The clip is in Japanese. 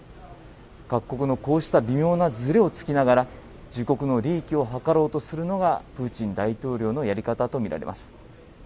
各国のこうした微妙なずれを突きながら、自国の利益を図ろうとするのが、プーチン大統領のやり方と見られます。